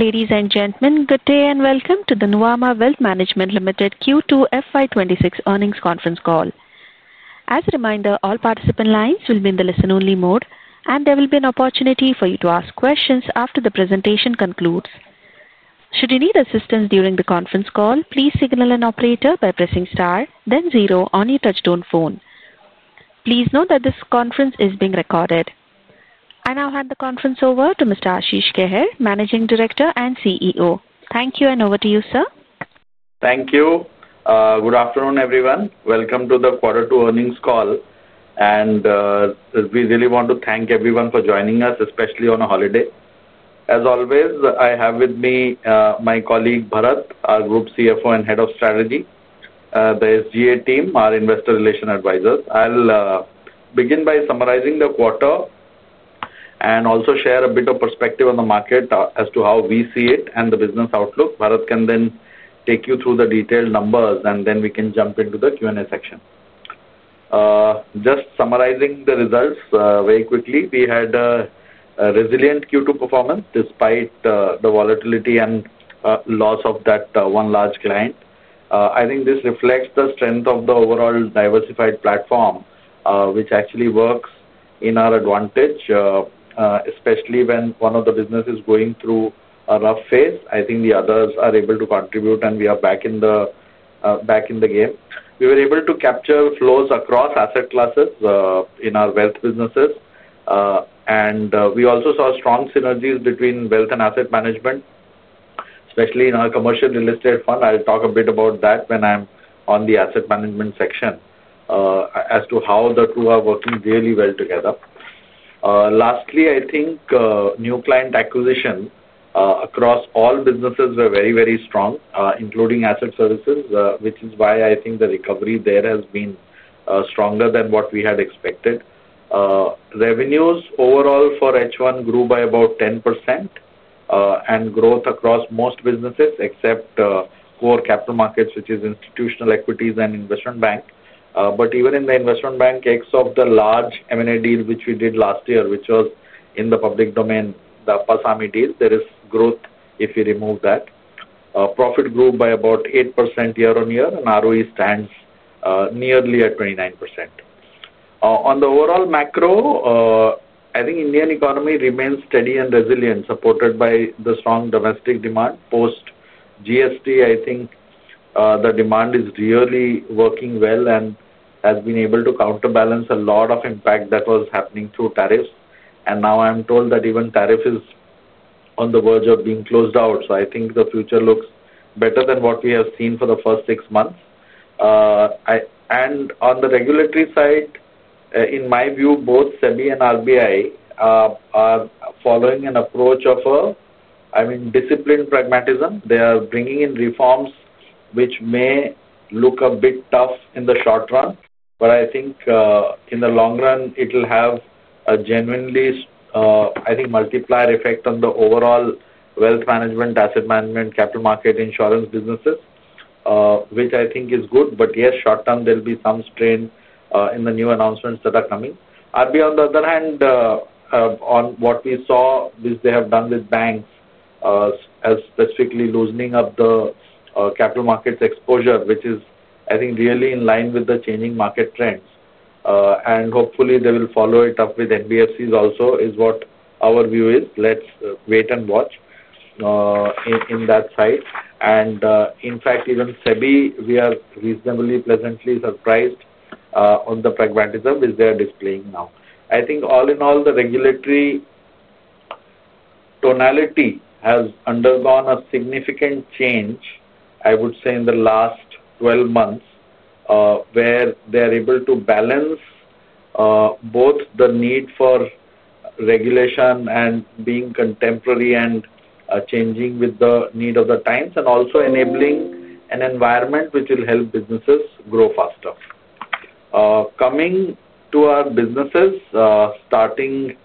Ladies and gentlemen, good day and welcome to the Nuvama Wealth Management Limited Q2 FY2026 earnings conference call. As a reminder, all participant lines will be in the listen-only mode, and there will be an opportunity for you to ask questions after the presentation concludes. Should you need assistance during the conference call, please signal an operator by pressing star, then zero on your touch-tone phone. Please note that this conference is being recorded. I now hand the conference over to Mr. Ashish Kehair, Managing Director and CEO. Thank you, and over to you, sir. Thank you. Good afternoon, everyone. Welcome to the quarter two earnings call. We really want to thank everyone for joining us, especially on a holiday. As always, I have with me my colleague Bharat, our Group CFO and Head of Strategy, the SGA team, our Investor Relation Advisors. I'll begin by summarizing the quarter and also share a bit of perspective on the market as to how we see it and the business outlook. Bharat can then take you through the detailed numbers, and then we can jump into the Q&A section. Just summarizing the results very quickly, we had a resilient Q2 performance despite the volatility and loss of that one large client. I think this reflects the strength of the overall diversified platform, which actually works in our advantage, especially when one of the businesses is going through a rough phase. I think the others are able to contribute, and we are back in the game. We were able to capture flows across asset classes in our wealth businesses, and we also saw strong synergies between wealth and asset management, especially in our commercial real estate fund. I'll talk a bit about that when I'm on the asset management section as to how the two are working really well together. Lastly, I think new client acquisition across all businesses was very, very strong, including asset services, which is why I think the recovery there has been stronger than what we had expected. Revenues overall for H1 grew by about 10%, and growth across most businesses except core capital markets, which is institutional equities and investment bank. Even in the investment bank, except the large M&A deal which we did last year, which was in the public domain, the Pasami deal, there is growth if you remove that. Profit grew by about 8% year-on-year, and ROE stands nearly at 29%. On the overall macro, I think Indian economy remains steady and resilient, supported by the strong domestic demand. Post GST, I think the demand is really working well and has been able to counterbalance a lot of impact that was happening through tariffs. Now I'm told that even tariff is on the verge of being closed out. I think the future looks better than what we have seen for the first six months. On the regulatory side, in my view, both SEBI and RBI are following an approach of, I mean, disciplined pragmatism. They are bringing in reforms which may look a bit tough in the short run, but I think in the long run, it will have a genuinely, I think, multiplier effect on the overall wealth management, asset management, capital market, insurance businesses, which I think is good. Yes, short term, there'll be some strain in the new announcements that are coming. RBI, on the other hand, on what we saw, which they have done with banks. Specifically loosening up the capital markets exposure, which is, I think, really in line with the changing market trends. Hopefully, they will follow it up with NBFCs also, is what our view is. Let's wait and watch. In that side. In fact, even SEBI, we are reasonably pleasantly surprised on the pragmatism which they are displaying now. I think all in all, the regulatory tonality has undergone a significant change, I would say, in the last 12 months. They are able to balance both the need for regulation and being contemporary and changing with the need of the times, and also enabling an environment which will help businesses grow faster. Coming to our businesses, starting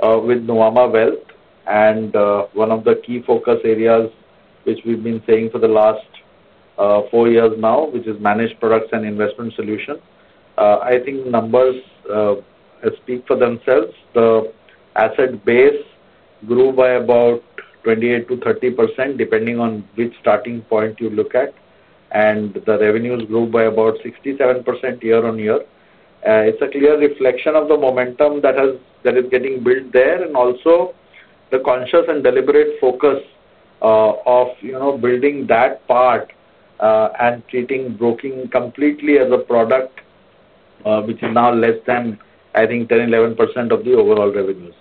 with Nuvama Wealth and one of the key focus areas which we've been saying for the last four years now, which is managed products and investment solutions, I think numbers speak for themselves. The asset base grew by about 28%-30%, depending on which starting point you look at, and the revenues grew by about 67% year-on-year. It's a clear reflection of the momentum that is getting built there, and also the conscious and deliberate focus of building that part and treating broking completely as a product, which is now less than, I think, 10%-11% of the overall revenues.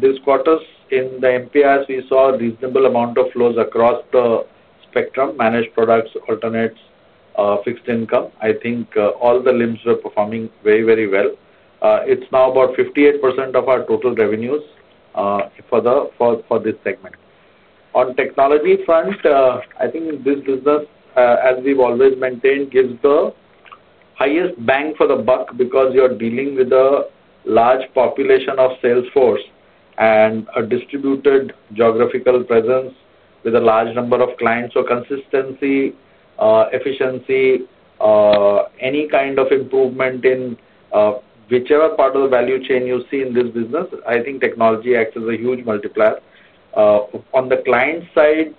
This quarter, in the MPIS, we saw a reasonable amount of flows across the spectrum: managed products, alternates, fixed income. I think all the limbs were performing very, very well. It's now about 58% of our total revenues for this segment. On technology front, I think this business, as we've always maintained, gives the highest bang for the buck because you're dealing with a large population of salesforce and a distributed geographical presence with a large number of clients. Consistency, efficiency, any kind of improvement in whichever part of the value chain you see in this business, I think technology acts as a huge multiplier. On the client side,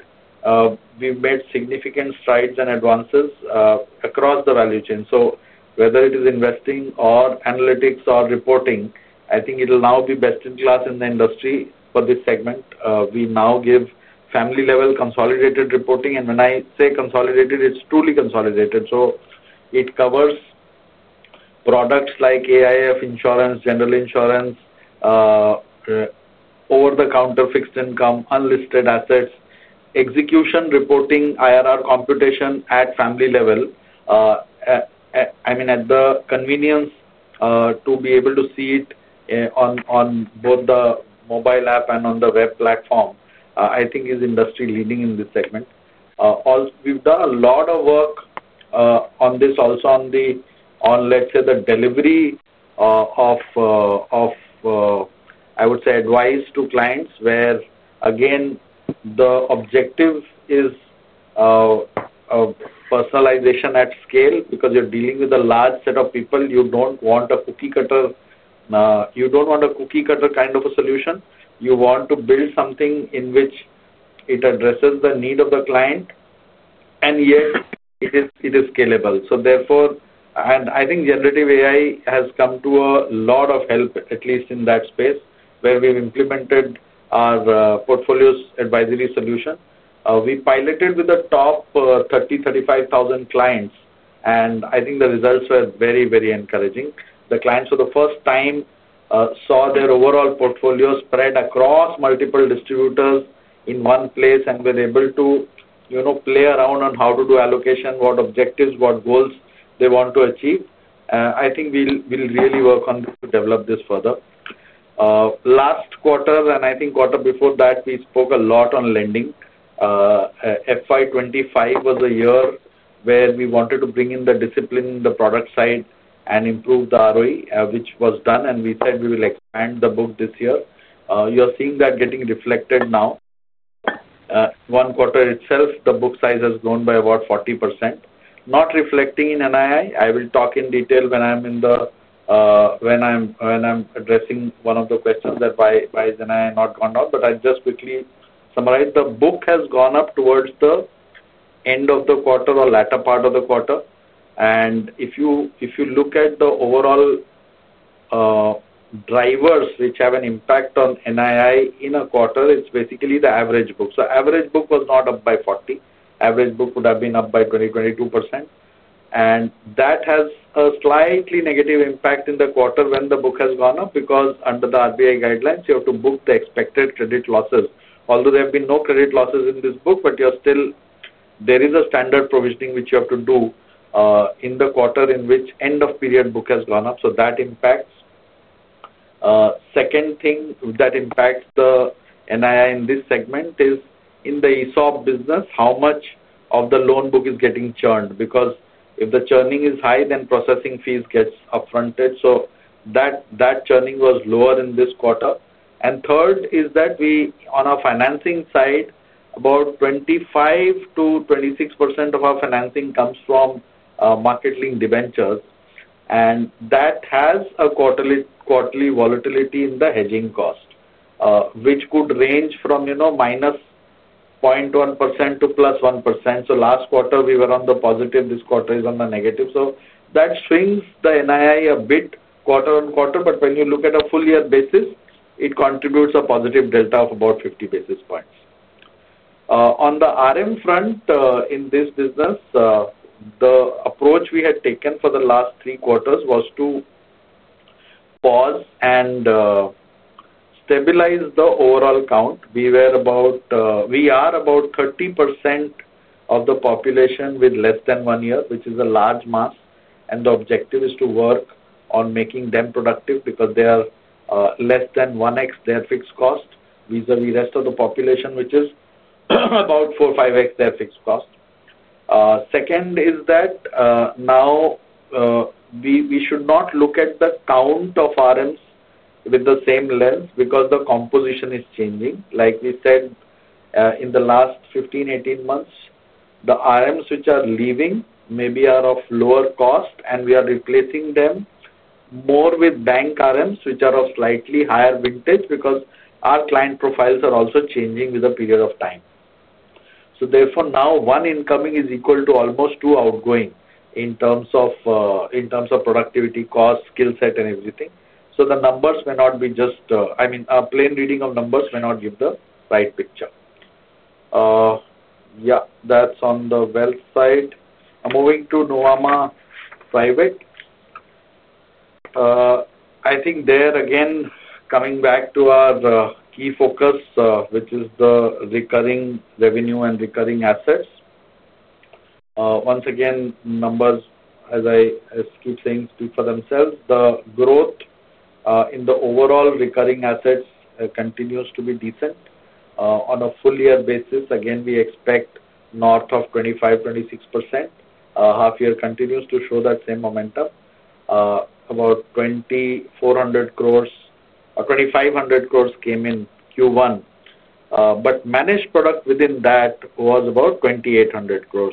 we've made significant strides and advances across the value chain. Whether it is investing or analytics or reporting, I think it'll now be best in class in the industry for this segment. We now give family-level consolidated reporting. When I say consolidated, it's truly consolidated. It covers products like AIF insurance, general insurance, over-the-counter fixed income, unlisted assets, execution reporting, IRR computation at family level. I mean, the convenience to be able to see it on both the mobile app and on the web platform, I think is industry-leading in this segment. We've done a lot of work on this also, on, let's say, the delivery of, I would say, advice to clients where, again, the objective is personalization at scale because you're dealing with a large set of people. You don't want a cookie cutter. You don't want a cookie cutter kind of a solution. You want to build something in which it addresses the need of the client, and yet, it is scalable. Therefore, and I think generative AI has come to a lot of help, at least in that space, where we've implemented our portfolio advisory solution. We piloted with the top 30,000-35,000 clients, and I think the results were very, very encouraging. The clients, for the first time, saw their overall portfolio spread across multiple distributors in one place and were able to play around on how to do allocation, what objectives, what goals they want to achieve. I think we'll really work on to develop this further. Last quarter, and I think quarter before that, we spoke a lot on lending. FY2025 was a year where we wanted to bring in the discipline, the product side, and improve the ROE, which was done. We said we will expand the book this year. You're seeing that getting reflected now. One quarter itself, the book size has grown by about 40%. Not reflecting in NII. I will talk in detail when I'm addressing one of the questions that why is NII not going up. I'll just quickly summarize. The book has gone up towards the end of the quarter or latter part of the quarter. If you look at the overall drivers which have an impact on NII in a quarter, it's basically the average book. So average book was not up by 40%. Average book would have been up by 20%-22%. That has a slightly negative impact in the quarter when the book has gone up because under the RBI guidelines, you have to book the expected credit losses. Although there have been no credit losses in this book, but you're still, there is a standard provisioning which you have to do in the quarter in which end-of-period book has gone up. That impacts. Second thing that impacts the NII in this segment is in the ESOP business, how much of the loan book is getting churned. Because if the churning is high, then processing fees get upfronted. That churning was lower in this quarter. Third is that we, on our financing side, about 25%-26% of our financing comes from market-linked debentures. That has a quarterly volatility in the hedging cost, which could range from -0.1% to +1%. Last quarter, we were on the positive. This quarter is on the negative. That swings the NII a bit quarter on quarter. When you look at a full-year basis, it contributes a positive delta of about 50 basis points. On the RM front, in this business, the approach we had taken for the last three quarters was to pause and stabilize the overall count. We are about 30% of the population with less than one year, which is a large mass. The objective is to work on making them productive because they are less than 1x their fixed cost vis-à-vis the rest of the population, which is about 4x-5x their fixed cost. Second is that we should not look at the count of RMs with the same lens because the composition is changing. Like we said, in the last 15-18 months, the RMs which are leaving maybe are of lower cost, and we are replacing them more with bank RMs which are of slightly higher vintage because our client profiles are also changing with the period of time. Therefore, now one incoming is equal to almost two outgoing in terms of productivity, cost, skill set, and everything. The numbers may not be just, I mean, a plain reading of numbers may not give the right picture. Yeah, that's on the wealth side. Moving to Nuvama Private, I think there, again, coming back to our key focus, which is the recurring revenue and recurring assets. Once again, numbers, as I keep saying, speak for themselves. The growth in the overall recurring assets continues to be decent. On a full-year basis, again, we expect north of 25%-26%. Half-year continues to show that same momentum. About 2,500 crore came in Q1, but managed product within that was about 2,800 crore.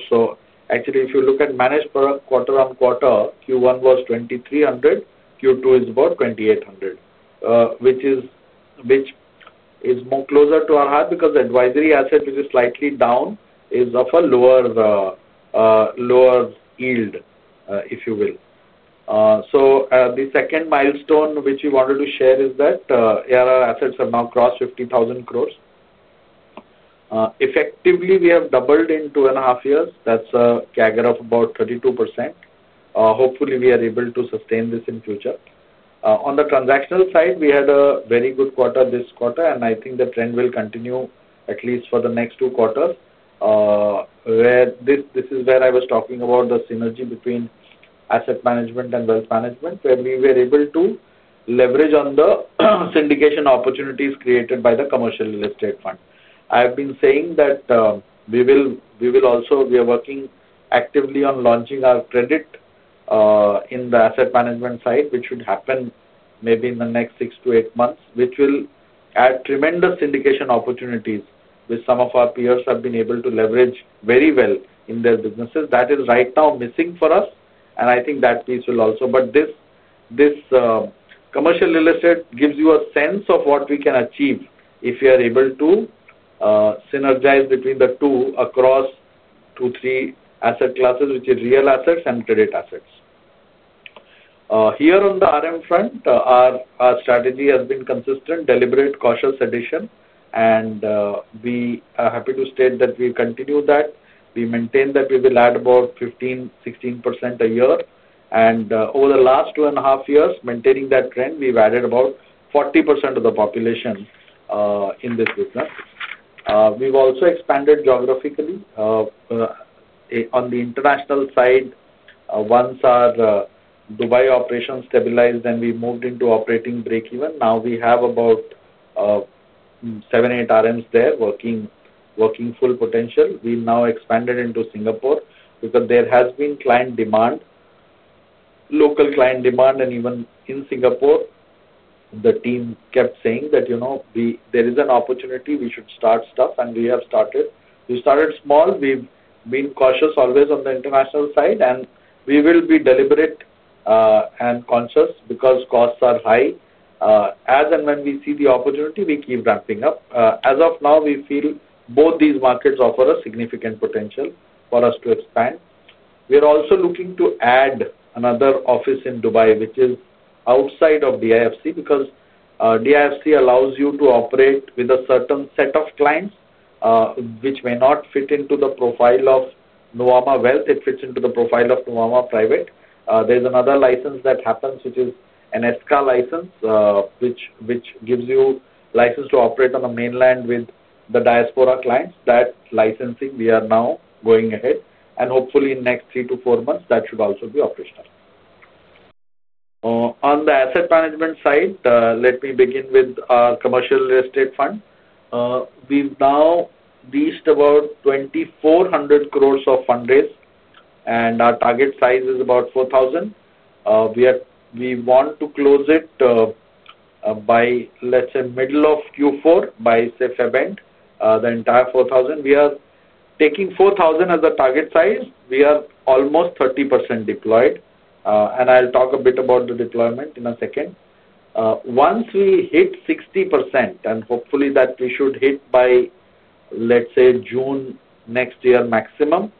Actually, if you look at managed product quarter on quarter, Q1 was 2,300 crore, Q2 is about 2,800 crore, which is more closer to our heart because advisory asset, which is slightly down, is of a lower yield, if you will. The second milestone which we wanted to share is that our assets have now crossed 50,000 crore. Effectively, we have doubled in two and a half years. That's a CAGR of about 32%. Hopefully, we are able to sustain this in future. On the transactional side, we had a very good quarter this quarter, and I think the trend will continue, at least for the next two quarters. This is where I was talking about the synergy between asset management and wealth management, where we were able to leverage on the syndication opportunities created by the Commercial Real Estate Fund. I have been saying that we are working actively on launching our credit in the asset management side, which should happen maybe in the next six to eight months, which will add tremendous syndication opportunities which some of our peers have been able to leverage very well in their businesses. That is right now missing for us, and I think that piece will also. This Commercial Real Estate gives you a sense of what we can achieve if we are able to synergize between the two across two-three asset classes, which are real assets and credit assets. Here on the RM front, our strategy has been consistent, deliberate, cautious addition. We are happy to state that we continue that. We maintain that we will add about 15%-16% a year. Over the last two and a half years, maintaining that trend, we've added about 40% of the population in this business. We've also expanded geographically. On the international side, once our Dubai operation stabilized and we moved into operating break-even, now we have about seven, eight RMs there working full potential. We've now expanded into Singapore because there has been client demand, local client demand, and even in Singapore, the team kept saying that there is an opportunity we should start stuff, and we have started. We started small. We've been cautious always on the international side, and we will be deliberate and conscious because costs are high. As and when we see the opportunity, we keep ramping up. As of now, we feel both these markets offer significant potential for us to expand. We're also looking to add another office in Dubai, which is outside of DIFC because DIFC allows you to operate with a certain set of clients, which may not fit into the profile of Nuvama Wealth. It fits into the profile of Nuvama Private. There's another license that happens, which is an SCA license, which gives you license to operate on the mainland with the diaspora clients. That licensing, we are now going ahead, and hopefully, in the next three to four months, that should also be operational. On the asset management side, let me begin with our Commercial Real Estate Fund. We've now reached about 2,400 crore of fundraise, and our target size is about 4,000 crore. We want to close it by, let's say, middle of Q4, by, say, February, the entire 4,000 crore. We are taking 4,000 crore as a target size. We are almost 30% deployed, and I'll talk a bit about the deployment in a second. Once we hit 60%, and hopefully that we should hit by, let's say, June next year maximum,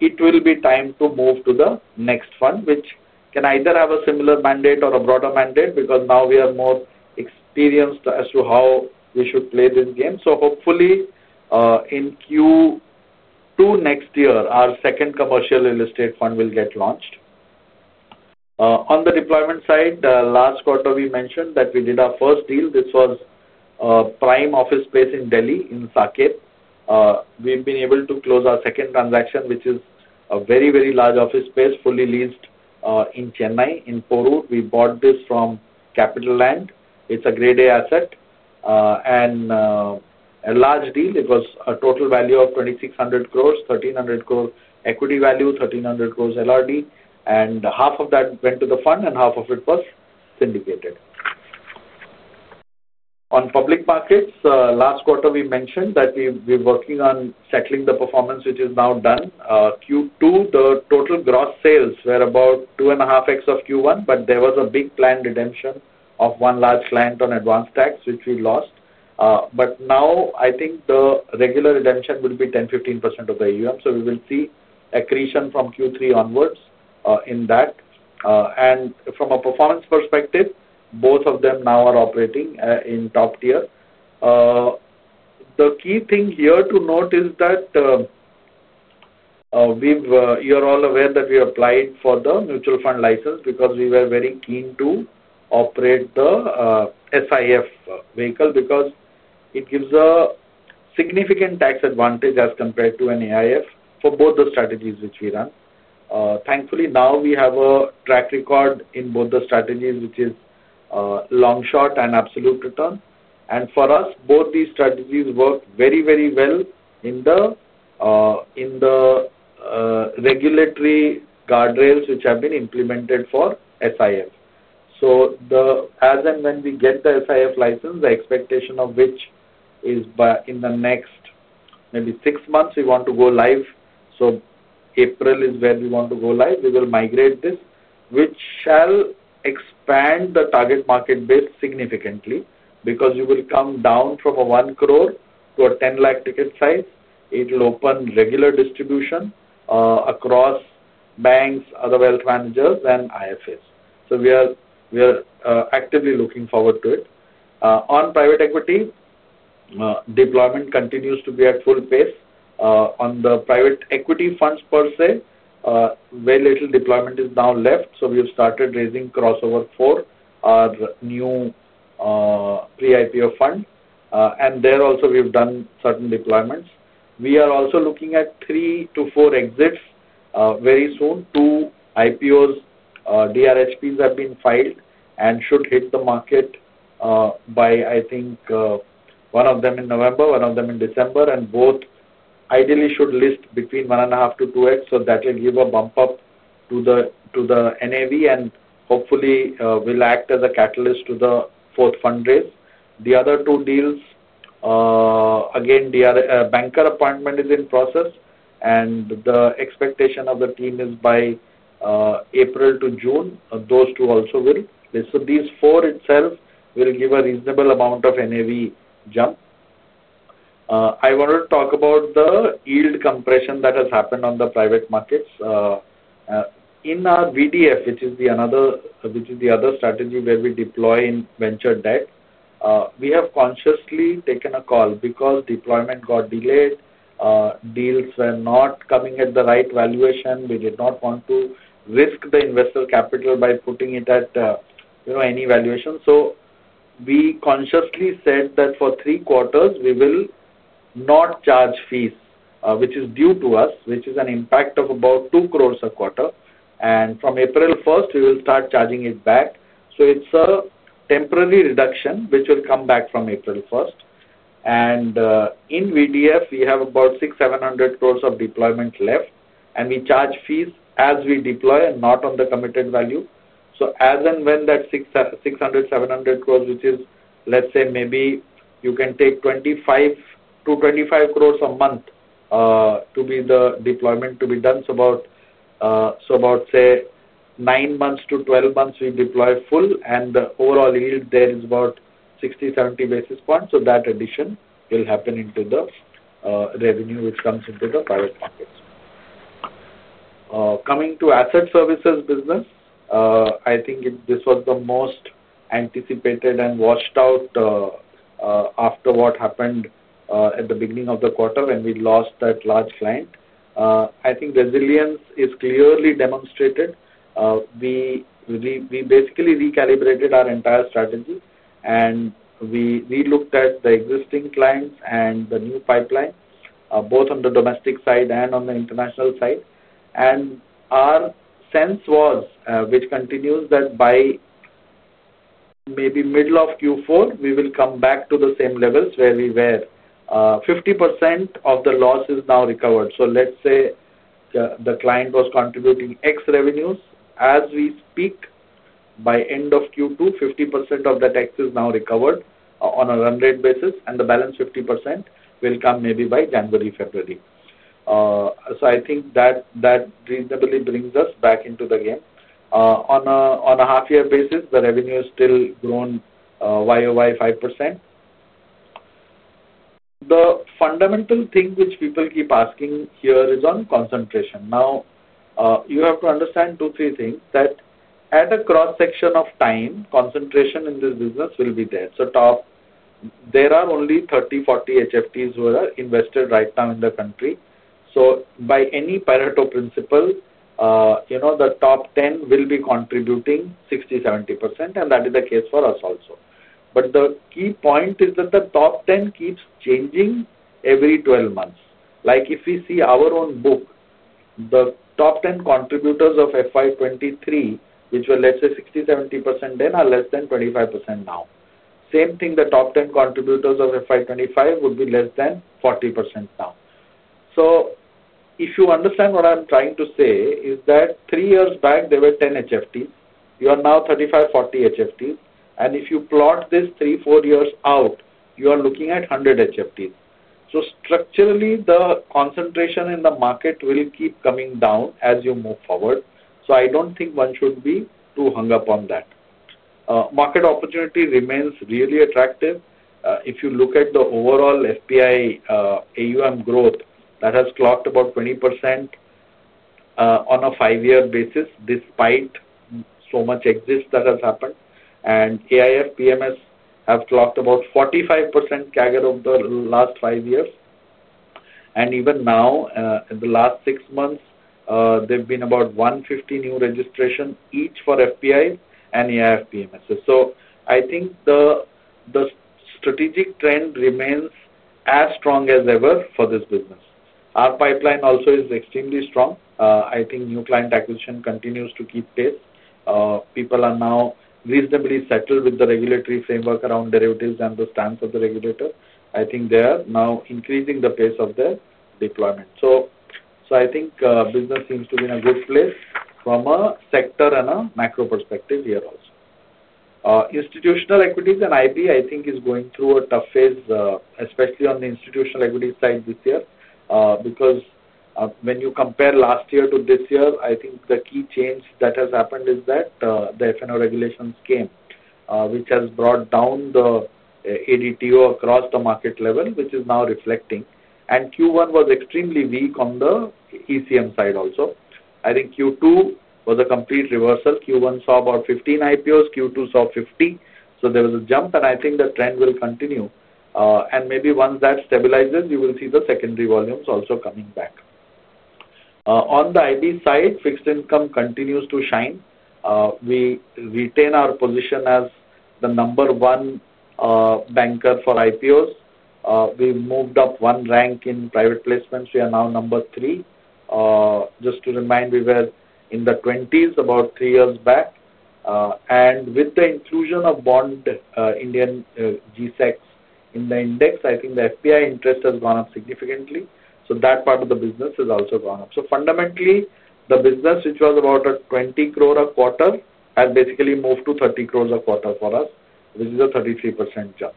it will be time to move to the next fund, which can either have a similar mandate or a broader mandate because now we are more experienced as to how we should play this game. Hopefully, in Q2 next year, our second Commercial Real Estate Fund will get launched. On the deployment side, last quarter, we mentioned that we did our first deal. This was prime office space in Delhi in Saket. We've been able to close our second transaction, which is a very, very large office space, fully leased in Chennai, in Perungudi. We bought this from Capitaland. It's a Grade A asset and a large deal. It was a total value of 2,600 crore, 1,300 crore equity value, 1,300 crore LRD. Half of that went to the fund, and half of it was syndicated. On public markets, last quarter, we mentioned that we're working on settling the performance, which is now done. Q2, the total gross sales were about two and a half times of Q1, but there was a big planned redemption of one large client on advance tax, which we lost. Now, I think the regular redemption will be 10%-15% of the AUM. We will see accretion from Q3 onwards in that. From a performance perspective, both of them now are operating in top tier. The key thing here to note is that you're all aware that we applied for the mutual fund license because we were very keen to operate the SIF vehicle because it gives a significant tax advantage as compared to an AIF for both the strategies which we run. Thankfully, now we have a track record in both the strategies, which is long-short and absolute return. For us, both these strategies work very, very well in the regulatory guardrails which have been implemented for SIF. As and when we get the SIF license, the expectation of which is in the next maybe six months, we want to go live. April is where we want to go live. We will migrate this, which shall expand the target market base significantly because you will come down from a 1 crore to a 10 lakh ticket size. It will open regular distribution across banks, other wealth managers, and IFAs. We are actively looking forward to it. On private equity, deployment continues to be at full pace. On the private equity funds per se, very little deployment is now left. We have started raising crossover for our new pre-IPO fund. There also, we've done certain deployments. We are also looking at three to four exits very soon. Two IPOs, DRHPs have been filed and should hit the market, I think, one of them in November, one of them in December. Both ideally should list between 1.5x-2x. That will give a bump up to the NAV and hopefully will act as a catalyst to the fourth fundraise. The other two deals, again, banker appointment is in process, and the expectation of the team is by April to June, those two also will. These four itself will give a reasonable amount of NAV jump. I wanted to talk about the yield compression that has happened on the private markets. In our VDF, which is the other strategy where we deploy in venture debt, we have consciously taken a call because deployment got delayed. Deals were not coming at the right valuation. We did not want to risk the investor capital by putting it at any valuation. We consciously said that for three quarters, we will not charge fees, which is due to us, which is an impact of about 20,000,000 a quarter. From April 1st, we will start charging it back. It is a temporary reduction which will come back from April 1st. In VDF, we have about 6,700 crore of deployment left. We charge fees as we deploy and not on the committed value. As and when that 600-700 crore, which is, let's say, maybe you can take 25-25 crore a month to be the deployment to be done. About, say, nine months to twelve months, we deploy full. The overall yield there is about 60-70 basis points. That addition will happen into the revenue which comes into the private markets. Coming to asset services business, I think this was the most anticipated and washed out after what happened at the beginning of the quarter when we lost that large client. I think resilience is clearly demonstrated. We basically recalibrated our entire strategy, and we looked at the existing clients and the new pipeline, both on the domestic side and on the international side. Our sense was, which continues, that by maybe middle of Q4, we will come back to the same levels where we were. 50% of the loss is now recovered. Let's say the client was contributing X revenues. As we speak, by end of Q2, 50% of that X is now recovered on a run rate basis. The balance 50% will come maybe by January, February. I think that reasonably brings us back into the game. On a half-year basis, the revenue has still grown year-over-year 5%. The fundamental thing which people keep asking here is on concentration. Now, you have to understand two, three things that at a cross-section of time, concentration in this business will be there. There are only 30-40 HFTs who are invested right now in the country. By any Pareto principle, the top 10 will be contributing 60%-70%. That is the case for us also. The key point is that the top 10 keeps changing every twelve months. If we see our own book, the top 10 contributors of FY2023, which were, let's say, 60%-70% then, are less than 25% now. Same thing, the top 10 contributors of FY2025 would be less than 40% now. If you understand what I'm trying to say, three years back, there were 10 HFTs. You are now 35-40 HFTs. If you plot this three, four years out, you are looking at 100 HFTs. Structurally, the concentration in the market will keep coming down as you move forward. I don't think one should be too hung up on that. Market opportunity remains really attractive. If you look at the overall FPI AUM growth, that has clocked about 20%. On a five-year basis, despite so much exits that has happened. AIF, PMS have clocked about 45% CAGR over the last five years. Even now, in the last six months, there have been about 150 new registrations each for FPIs and AIF, PMS. The strategic trend remains as strong as ever for this business. Our pipeline also is extremely strong. New client acquisition continues to keep pace. People are now reasonably settled with the regulatory framework around derivatives and the stance of the regulator. I think they are now increasing the pace of their deployment. I think business seems to be in a good place from a sector and a macro perspective here also. Institutional equities and IB, I think, is going through a tough phase, especially on the institutional equity side this year. Because when you compare last year to this year, I think the key change that has happened is that the F&O regulations came, which has brought down the ADTO across the market level, which is now reflecting. Q1 was extremely weak on the ECM side also. I think Q2 was a complete reversal. Q1 saw about 15 IPOs. Q2 saw 50. There was a jump. I think the trend will continue. Maybe once that stabilizes, you will see the secondary volumes also coming back. On the IB side, fixed income continues to shine. We retain our position as the number one banker for IPOs. We moved up one rank in private placements. We are now number three. Just to remind, we were in the 20s about three years back. With the inclusion of bond Indian GSEC in the index, I think the FPI interest has gone up significantly. That part of the business has also gone up. Fundamentally, the business, which was about 20 crore a quarter, has basically moved to 30 crore a quarter for us, which is a 33% jump.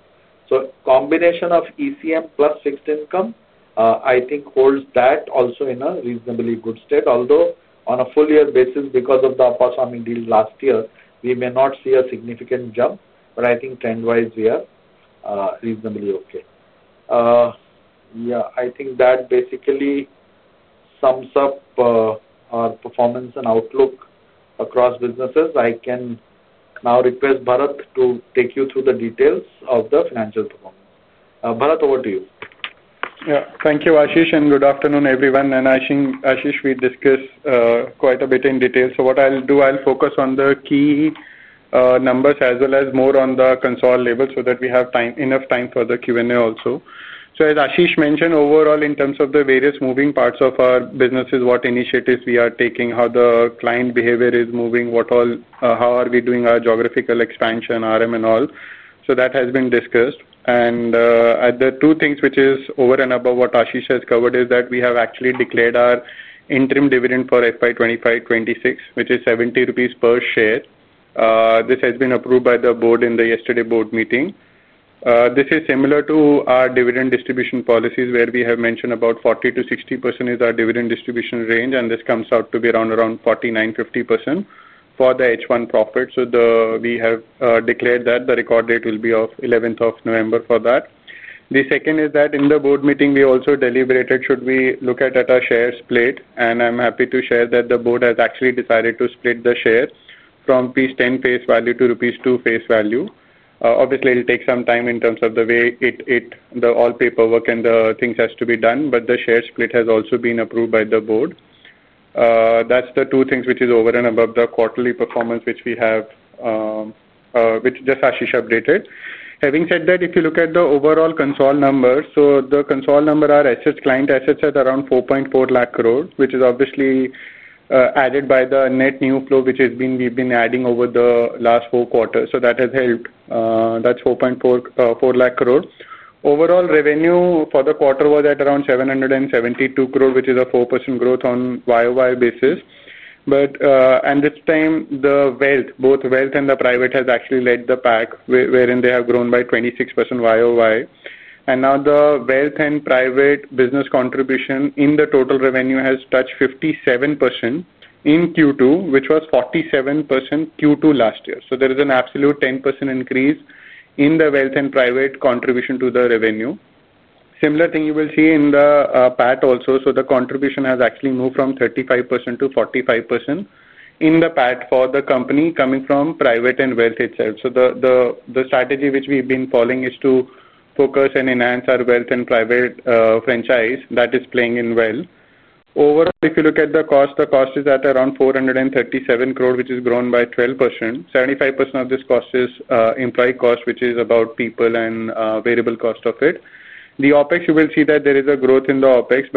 Combination of ECM plus fixed income, I think, holds that also in a reasonably good state. Although on a full-year basis, because of the Appasamy deal last year, we may not see a significant jump. I think trend-wise, we are reasonably okay. Yeah. I think that basically sums up our performance and outlook across businesses. I can now request Bharat to take you through the details of the financial performance. Bharat, over to you. Yeah. Thank you, Ashish. Good afternoon, everyone. Ashish, we discussed quite a bit in detail. What I'll do, I'll focus on the key numbers as well as more on the console label so that we have enough time for the Q&A also. As Ashish mentioned, overall, in terms of the various moving parts of our businesses, what initiatives we are taking, how the client behavior is moving, how are we doing our geographical expansion, RM and all. That has been discussed. The two things which is over and above what Ashish has covered is that we have actually declared our interim dividend for FY 2025-2026, which is 70 rupees per share. This has been approved by the board in the yesterday board meeting. This is similar to our dividend distribution policies where we have mentioned about 40%-60% is our dividend distribution range. This comes out to be around 49%-50% for the H1 profit. We have declared that the record date will be 11th of November for that. The second is that in the board meeting, we also deliberated should we look at our share split. I'm happy to share that the board has actually decided to split the shares from 10 face value to rupees 2 face value. Obviously, it'll take some time in terms of the way all paperwork and the things have to be done. The share split has also been approved by the board. That's the two things which is over and above the quarterly performance which we have, which just Ashish updated. Having said that, if you look at the overall console number, the console number are assets, client assets at around 4.4 lakh crore, which is obviously added by the net new flow, which we've been adding over the last four quarters. That has helped. That's 4.4 lakh crore. Overall revenue for the quarter was at around 772 crore, which is a 4% growth on YoY basis. This time, both wealth and the private has actually led the pack wherein they have grown by 26% YoY. Now the wealth and private business contribution in the total revenue has touched 57% in Q2, which was 47% Q2 last year. There is an absolute 10% increase in the wealth and private contribution to the revenue. Similar thing you will see in the PAT also. The contribution has actually moved from 35%-45% in the PAT for the company coming from private and wealth itself. The strategy which we've been following is to focus and enhance our wealth and private franchise. That is playing in well. Overall, if you look at the cost, the cost is at around 437 crore, which has grown by 12%. 75% of this cost is employee cost, which is about people and variable cost of it. The OpEx, you will see that there is a growth in the OpEx.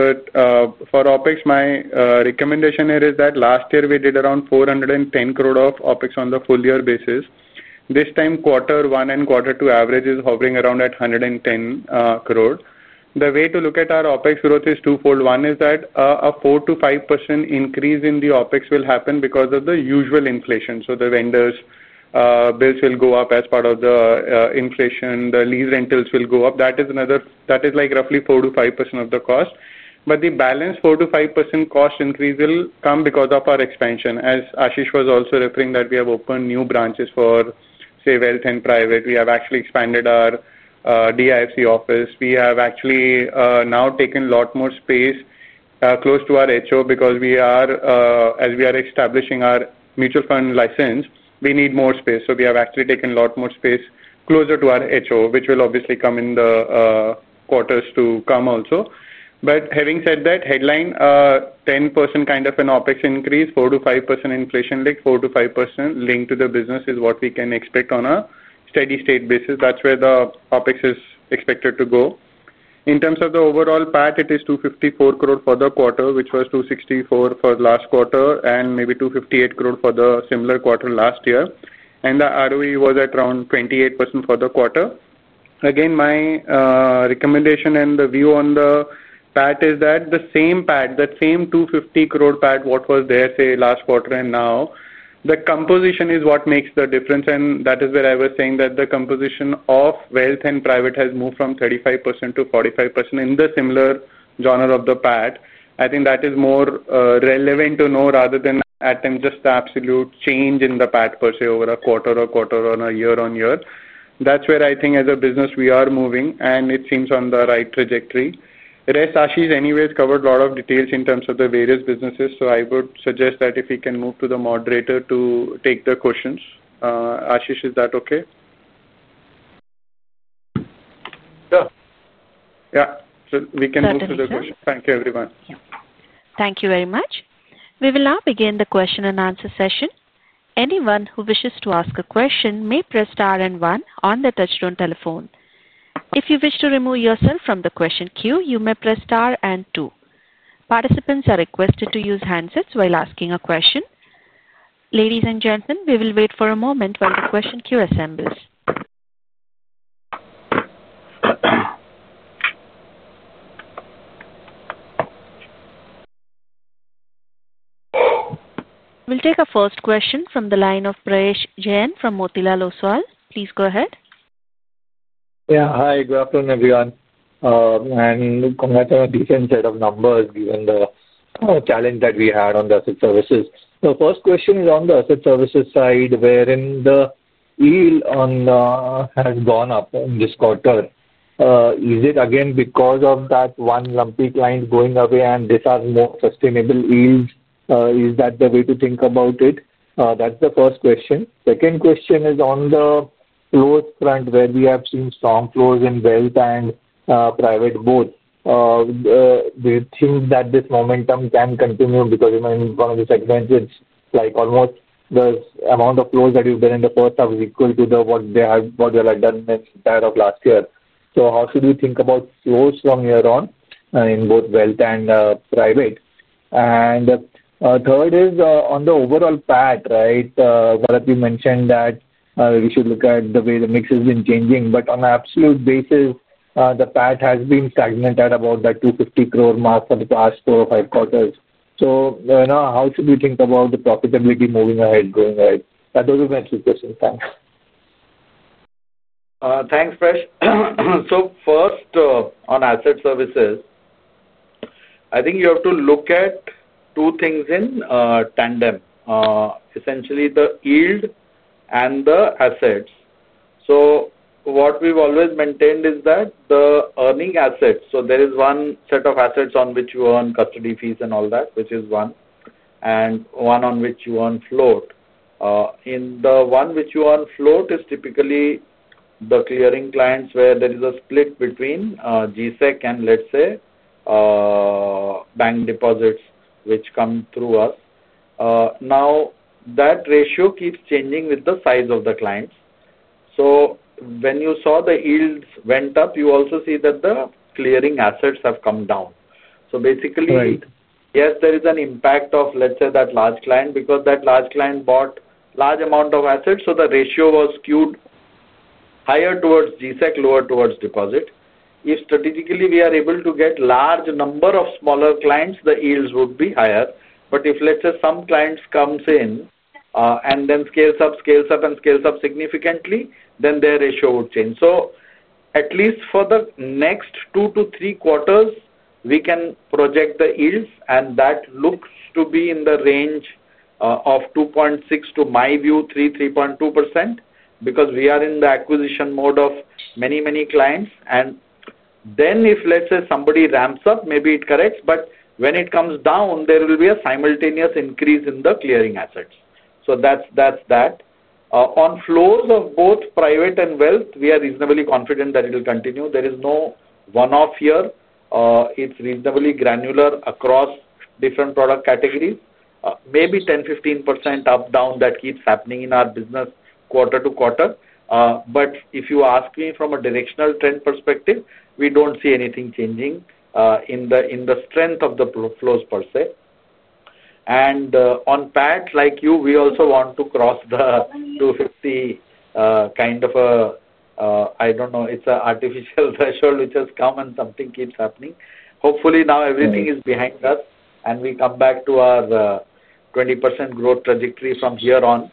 For OpEx, my recommendation here is that last year we did around 410 crore of OpEx on the full-year basis. This time, quarter one and quarter two average is hovering around at 110 crore. The way to look at our OpEx growth is twofold. One is that a 4%-5% increase in the OpEx will happen because of the usual inflation. The vendors' bills will go up as part of the inflation. The lease rentals will go up. That is roughly 4%-5% of the cost. The balance 4-5% cost increase will come because of our expansion. As Ashish was also referring, we have opened new branches for, say, wealth and private. We have actually expanded our DIFC office. We have actually now taken a lot more space close to our HO because as we are establishing our mutual fund license, we need more space. So we have actually taken a lot more space closer to our HO, which will obviously come in the quarters to come also. But having said that, headline 10% kind of an OpEx increase, 4%-5% inflation link, 4%-5% link to the business is what we can expect on a steady state basis. That's where the OpEx is expected to go. In terms of the overall PAT, it is 254 crore for the quarter, which was 264 crore for last quarter, and maybe 258 crore for the similar quarter last year. And the ROE was at around 28% for the quarter. Again, my recommendation and the view on the PAT is that the same PAT, that same 250 crore PAT, what was there, say, last quarter and now, the composition is what makes the difference. And that is where I was saying that the composition of wealth and private has moved from 35%-45% in the similar genre of the PAT. I think that is more relevant to know rather than attempt just the absolute change in the PAT per se over a quarter or quarter on a year on year. That's where I think as a business we are moving. And it seems on the right trajectory. Rest, Ashish, anyways, covered a lot of details in terms of the various businesses. I would suggest that if we can move to the moderator to take the questions. Ashish, is that okay? Sure. Yeah. We can move to the questions. Thank you, everyone. Thank you very much. We will now begin the question-and-answer session. Anyone who wishes to ask a question may press star and one on the touchdown telephone. If you wish to remove yourself from the question queue, you may press star and two. Participants are requested to use handsets while asking a question. Ladies and gentlemen, we will wait for a moment while the question queue assembles. We'll take a first question from the line of Prayesh Jain from Motilal Oswal. Please go ahead. Yeah. Hi. Good afternoon, everyone. And congratulations instead of numbers given the challenge that we had on the asset services. The first question is on the asset services side wherein the yield has gone up this quarter. Is it again because of that one lumpy client going away and this has more sustainable yield? Is that the way to think about it? That's the first question. Second question is on the flow front where we have seen strong flows in wealth and private both. Do you think that this momentum can continue? Because in one of the segments, it's like almost the amount of flows that you've been in the first half is equal to what they have done in the entire last year. How should we think about flows from here on in both wealth and private? Third is on the overall PAT, right? Bharat, you mentioned that we should look at the way the mix has been changing. On an absolute basis, the PAT has been stagnant at about that 250 crore mark for the past four or five quarters. How should we think about the profitability moving ahead, going ahead? Those are my two questions. Thanks. Thanks, Prayesh. First, on asset services. I think you have to look at two things in tandem. Essentially, the yield and the assets. What we have always maintained is that the earning assets. There is one set of assets on which you earn custody fees and all that, which is one. And one on which you earn float. In the one on which you earn float, it is typically the clearing clients where there is a split between GSEC and, let's say, bank deposits which come through us. That ratio keeps changing with the size of the clients. When you saw the yields went up, you also see that the clearing assets have come down. Basically, yes, there is an impact of, let's say, that large client because that large client bought a large amount of assets. The ratio was skewed higher towards GSEC, lower towards deposit. If strategically we are able to get a large number of smaller clients, the yields would be higher. If, let's say, some clients come in and then scale up, scale up, and scale up significantly, then their ratio would change. At least for the next two to three quarters, we can project the yields. That looks to be in the range of 2.6%-3-3.2% because we are in the acquisition mode of many, many clients. If, let's say, somebody ramps up, maybe it corrects. When it comes down, there will be a simultaneous increase in the clearing assets. That is that. On flows of both private and wealth, we are reasonably confident that it will continue. There is no one-off here. It is reasonably granular across different product categories. Maybe 10%-15% up, down, that keeps happening in our business quarter to quarter. If you ask me from a directional trend perspective, we do not see anything changing in the strength of the flows per se. On PAT, like you, we also want to cross the 250 kind of a, I do not know, it is an artificial threshold which has come and something keeps happening. Hopefully, now everything is behind us and we come back to our 20% growth trajectory from here on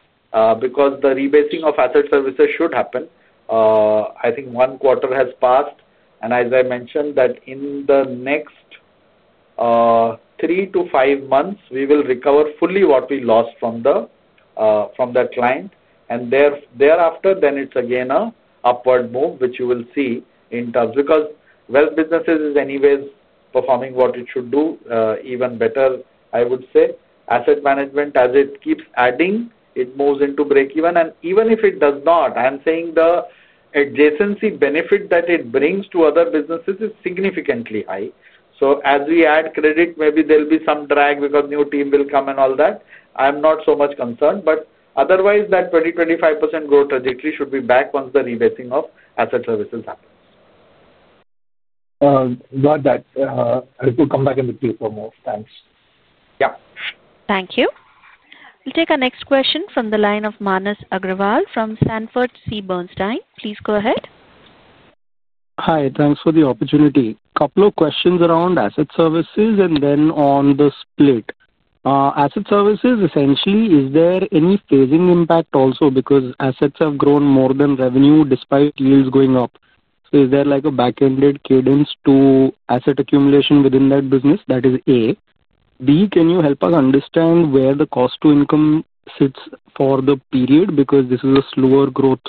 because the rebasing of asset services should happen. I think one quarter has passed. As I mentioned, in the next three to five months, we will recover fully what we lost from that client. Thereafter, then it is again an upward move, which you will see in terms because wealth businesses are anyways performing what it should do, even better, I would say. Asset management, as it keeps adding, it moves into breakeven. And even if it does not, I'm saying the adjacency benefit that it brings to other businesses is significantly high. So as we add credit, maybe there'll be some drag because new team will come and all that. I'm not so much concerned. But otherwise, that 20%-25% growth trajectory should be back once the rebasing of asset services happens. Got that. I will come back in the queue for more. Thanks. Yeah. Thank you. We'll take our next question from the line of Manas Agrawal from Sanford C. Bernstein. Please go ahead. Hi. Thanks for the opportunity. Couple of questions around asset services and then on the split. Asset services, essentially, is there any phasing impact also because assets have grown more than revenue despite yields going up? So is there a back-ended cadence to asset accumulation within that business? That is A. B, can you help us understand where the cost to income sits for the period because this is a slower growth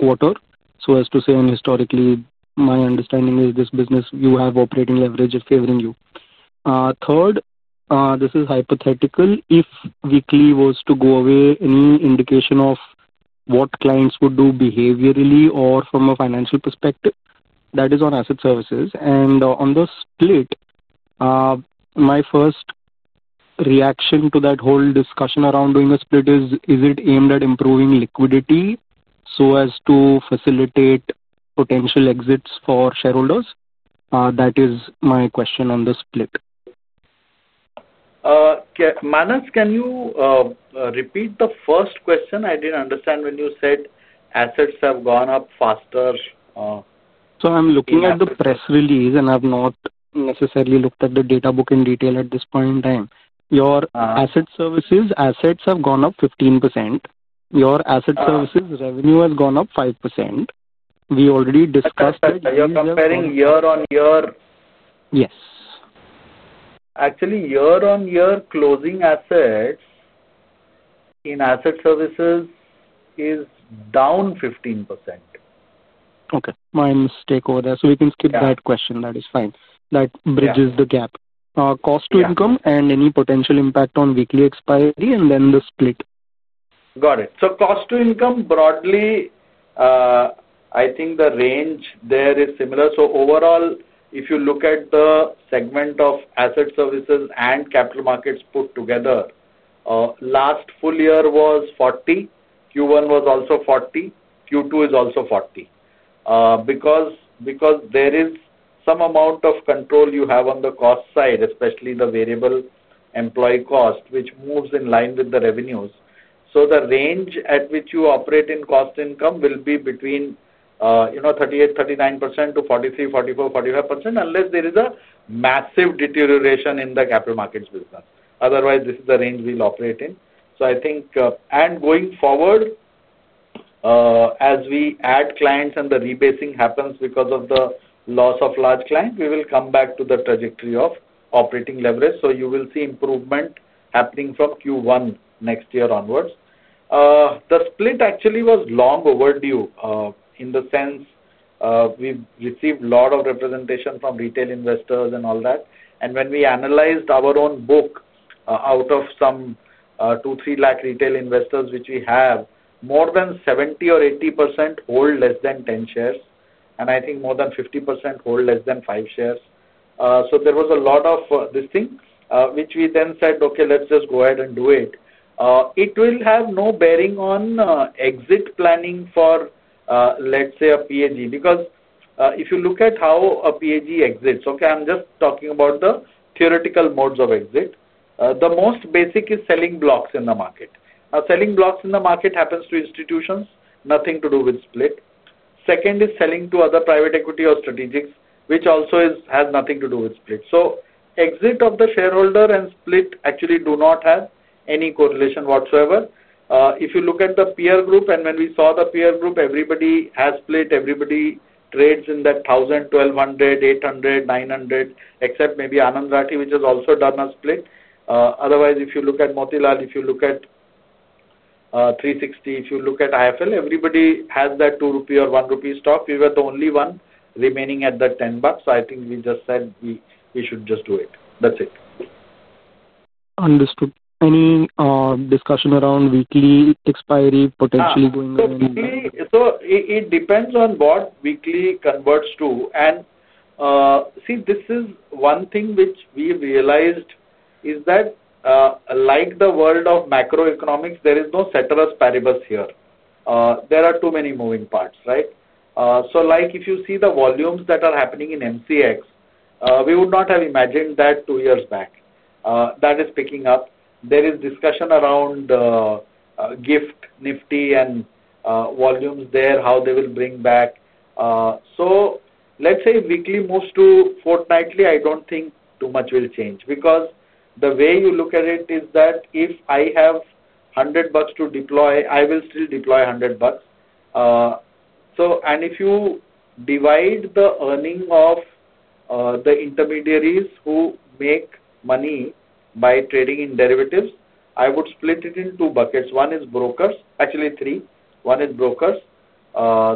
quarter? So as to say, and historically, my understanding is this business, you have operating leverage favoring you. Third, this is hypothetical. If weekly was to go away, any indication of what clients would do behaviorally or from a financial perspective? That is on asset services. And on the split. My first reaction to that whole discussion around doing a split is, is it aimed at improving liquidity so as to facilitate potential exits for shareholders? That is my question on the split. Manas, can you repeat the first question? I didn't understand when you said assets have gone up faster. So I'm looking at the press release and I've not necessarily looked at the data book in detail at this point in time. Your asset services, assets have gone up 15%. Your asset services revenue has gone up 5%. We already discussed that. Are you comparing year-on-year? Yes. Actually, year on year closing assets in asset services is down 15%. Okay. My mistake over there. So we can skip that question. That is fine. That bridges the gap. Cost to income and any potential impact on weekly expiry and then the split. %Got it. So cost to income broadly. I think the range there is similar. So overall, if you look at the segment of asset services and capital markets put together, last full year was 40. Q1 was also 40. Q2 is also 40. Because there is some amount of control you have on the cost side, especially the variable employee cost, which moves in line with the revenues. So the range at which you operate in cost to income will be between 38%-39% to 43%-44%-45% unless there is a massive deterioration in the capital markets business. Otherwise, this is the range we'll operate in. I think, and going forward. As we add clients and the rebasing happens because of the loss of large clients, we will come back to the trajectory of operating leverage. You will see improvement happening from Q1 next year onwards. The split actually was long overdue in the sense. We received a lot of representation from retail investors and all that. When we analyzed our own book out of some 2-3 lakh retail investors which we have, more than 70% or 80% hold less than 10 shares. I think more than 50% hold less than 5 shares. There was a lot of this thing, which we then said, "Okay, let's just go ahead and do it." It will have no bearing on exit planning for, let's say, a PAG. Because if you look at how a PAG exits, okay, I am just talking about the theoretical modes of exit. The most basic is selling blocks in the market. Now, selling blocks in the market happens to institutions, nothing to do with split. Second is selling to other private equity or strategics, which also has nothing to do with split. Exit of the shareholder and split actually do not have any correlation whatsoever. If you look at the peer group, and when we saw the peer group, everybody has split. Everybody trades in that 1,000, 1,200, 800, 900, except maybe Anand Rathi, which has also done a split. Otherwise, if you look at Motilal, if you look at 360, if you look at IIFL, everybody has that 2 rupee or 1 rupee stock. We were the only one remaining at that 10 bucks. I think we just said we should just do it. That is it. Understood. Any discussion around weekly expiry potentially going ahead? It depends on what weekly converts to. This is one thing which we realized is that, like the world of macroeconomics, there is no ceteris paribus here. There are too many moving parts, right? If you see the volumes that are happening in MCX, we would not have imagined that two years back. That is picking up. There is discussion around GIFT Nifty and volumes there, how they will bring back. Let's say weekly moves to fortnightly, I do not think too much will change because the way you look at it is that if I have 100 bucks to deploy, I will still deploy 100 bucks. If you divide the earning of the intermediaries who make money by trading in derivatives, I would split it into two buckets. One is brokers. Actually, three. One is brokers.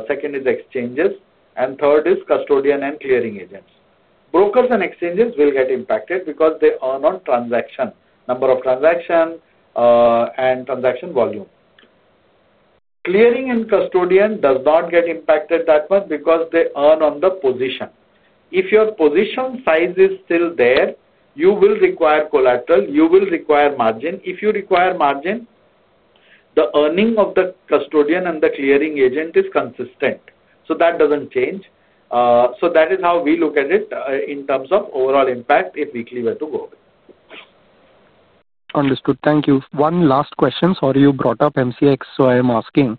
Second is exchanges. Third is custodian and clearing agents. Brokers and exchanges will get impacted because they earn on transaction, number of transactions, and transaction volume. Clearing and custodian does not get impacted that much because they earn on the position. If your position size is still there, you will require collateral. You will require margin. If you require margin. The earning of the custodian and the clearing agent is consistent. That does not change. That is how we look at it in terms of overall impact if weekly were to go away. Understood. Thank you. One last question. Sorry, you brought up MCX, so I am asking.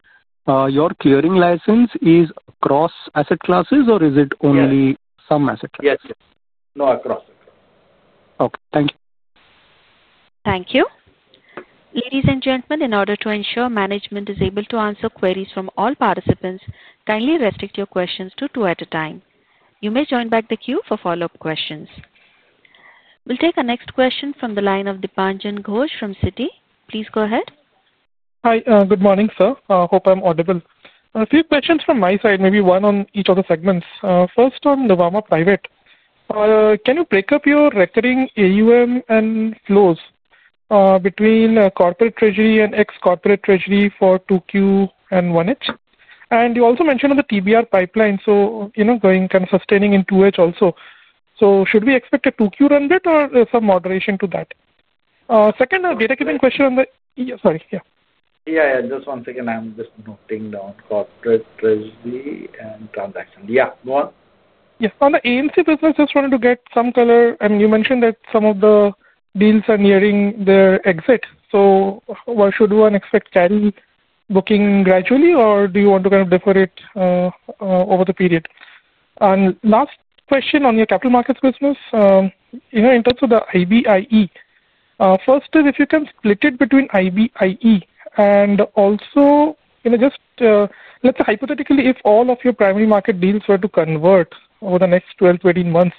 Your clearing license is across asset classes or is it only some asset classes? Yes. No, across. Okay. Thank you. Thank you. Ladies and gentlemen, in order to ensure management is able to answer queries from all participants, kindly restrict your questions to two at a time. You may join back the queue for follow-up questions. We will take our next question from the line of Dipanjan Ghosh from Citi. Please go ahead. Hi. Good morning, sir. I hope I am audible. A few questions from my side, maybe one on each of the segments. First, on Nuvama Private. Can you break up your recurring AUM and flows between corporate treasury and ex-corporate treasury for 2Q and 1H? And you also mentioned on the TBR pipeline, so going kind of sustaining in 2H also. Should we expect a 2Q run bit or some moderation to that? Second, a data giving question on the—sorry. Yeah. Yeah, yeah. Just one second. I am just noting down corporate treasury and transaction. Yeah. Go on. Yeah. On the AMC business, just wanted to get some color. And you mentioned that some of the deals are nearing their exit. Should we expect carry booking gradually, or do you want to kind of defer it over the period? And last question on your capital markets business. In terms of the IBIE. First is, if you can split it between IBIE and also, just let us say hypothetically, if all of your primary market deals were to convert over the next 12-13 months,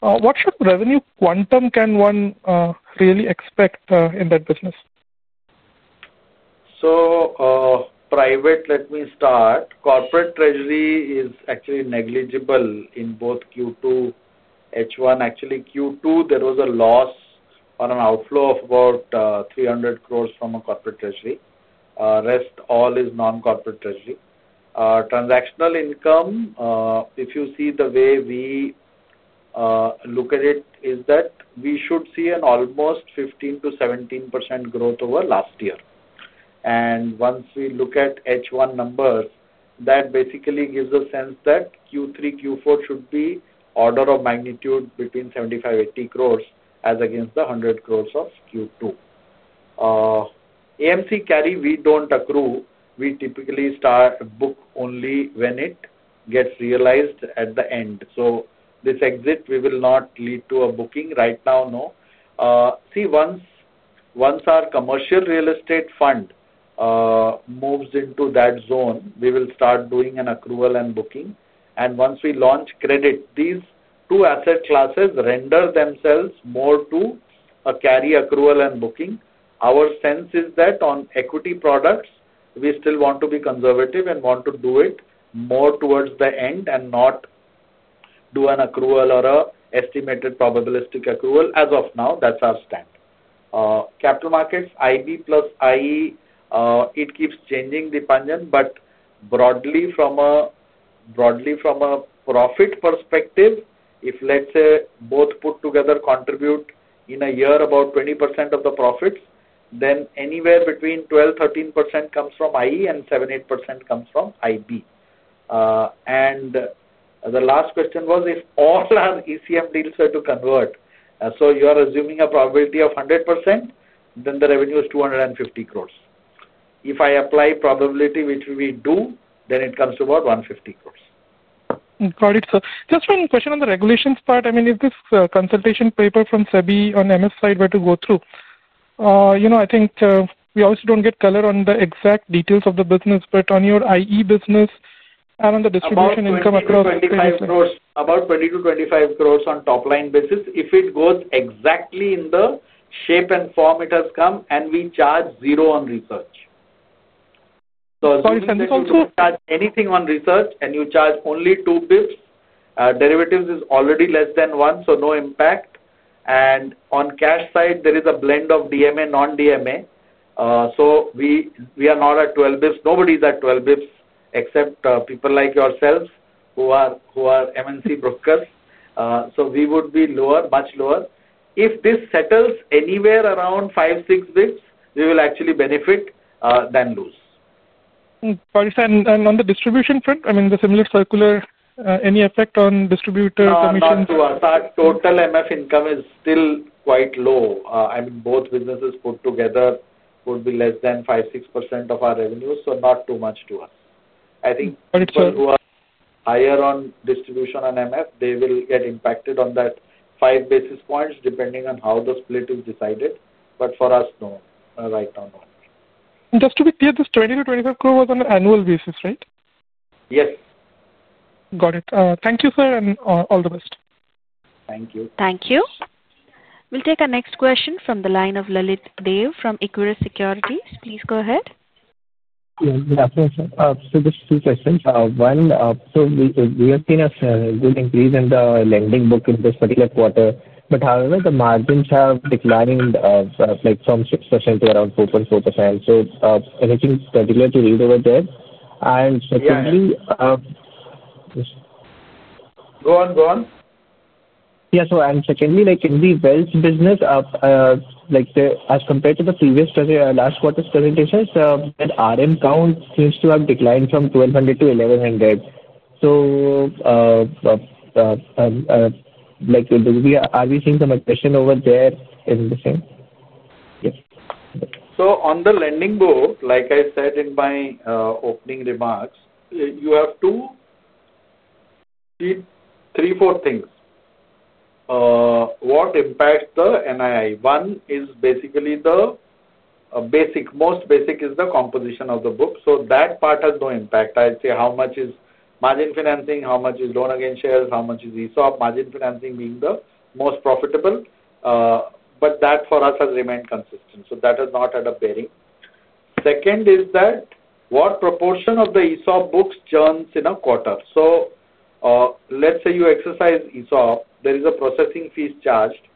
what revenue quantum can one really expect in that business? Private, let me start. Corporate treasury is actually negligible in both Q2, H1. Actually, Q2, there was a loss on an outflow of about 3,000,000,000 from a corporate treasury. Rest all is non-corporate treasury. Transactional income, if you see the way we look at it, is that we should see an almost 15%-17% growth over last year. Once we look at H1 numbers, that basically gives a sense that Q3, Q4 should be order of magnitude between 750,000,000-800,000,000 as against the 1,000,000,000 of Q2. AMC carry, we do not accrue. We typically start book only when it gets realized at the end. This exit, we will not lead to a booking right now, no. Once our commercial real estate fund moves into that zone, we will start doing an accrual and booking. Once we launch credit, these two asset classes render themselves more to a carry accrual and booking. Our sense is that on equity products, we still want to be conservative and want to do it more towards the end and not. Do an accrual or an estimated probabilistic accrual as of now. That is our stand. Capital markets, IB + IE, it keeps changing, Dipanjan. Broadly from a profit perspective, if, let us say, both put together contribute in a year about 20% of the profits, then anywhere between 12%-13% comes from IE and 7%-8% comes from IB. The last question was, if all our ECM deals were to convert, so you are assuming a probability of 100%, then the revenue is 250 crore. If I apply probability, which we do, then it comes to about 150 crore. Got it, sir. Just one question on the regulations part. I mean, if this consultation paper from SEBI on MS side were to go through. I think we obviously do not get color on the exact details of the business, but on your IE business. And on the distribution income across 20 crore-25 crore, about 20 crore-25 crore on top-line basis. If it goes exactly in the shape and form it has come, and we charge zero on research. Sorry, sir. This also. Charge anything on research, and you charge only 2 basis points. Derivatives is already less than 1, so no impact. On cash side, there is a blend of DMA, non-DMA. We are not at 12 basis points. Nobody is at 12 basis points except people like yourselves who are MNC brokers. We would be lower, much lower. If this settles anywhere around 5-6 basis points, we will actually benefit than lose. Got it. On the distribution front, I mean, the similar circular, any effect on distributor commissions? To us, our total MF income is still quite low. I mean, both businesses put together would be less than 5%-6% of our revenues, so not too much to us. I think higher on distribution on MF, they will get impacted on that 5 basis points depending on how the split is decided. For us, no. Right now, no. Just to be clear, this 20 crore-25 crore on an annual basis, right? Yes. Got it. Thank you, sir, and all the best. Thank you. Thank you. We will take our next question from the line of Lalit Dey from ICICI Securities. Please go ahead. Yeah. Sure, sir. Just two questions. One, we have seen a good increase in the lending book in this particular quarter. However, the margins have declined from 6% to around 4.4%. Anything particular to read over there? Secondly. Go on, go on. Yeah. Secondly, in the wealth business. As compared to the previous last quarter's presentations, the RM count seems to have declined from 1,200 to 1,100. Are we seeing some aggression over there in the same? Yes. On the lending board, like I said in my opening remarks, you have two, three, four things. What impacts the NII? One is basically the most basic is the composition of the book. That part has no impact. I'd say how much is margin financing, how much is loan against shares, how much is ESOP, margin financing being the most profitable. That for us has remained consistent. That has not had a bearing. Second is what proportion of the ESOP books churns in a quarter. Let's say you exercise ESOP, there is a processing fee charged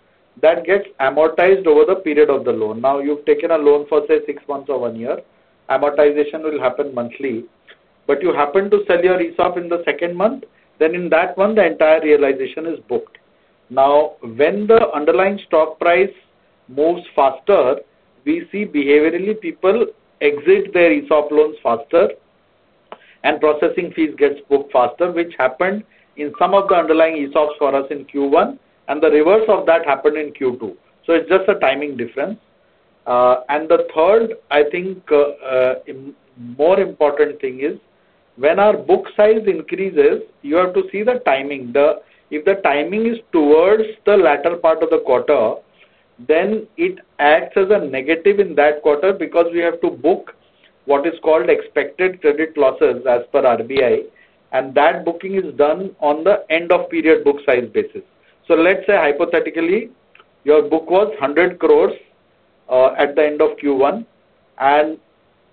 that gets amortized over the period of the loan. Now, you've taken a loan for, say, six months or one year. Amortization will happen monthly. If you happen to sell your ESOP in the second month, then in that month, the entire realization is booked. When the underlying stock price moves faster, we see behaviorally people exit their ESOP loans faster. Processing fees get booked faster, which happened in some of the underlying ESOPs for us in Q1. The reverse of that happened in Q2. It is just a timing difference. The third, I think, more important thing is when our book size increases, you have to see the timing. If the timing is towards the latter part of the quarter, then it acts as a negative in that quarter because we have to book what is called expected credit losses as per RBI. That booking is done on the end-of-period book size basis. Let's say hypothetically, your book was 100 crore at the end of Q1, and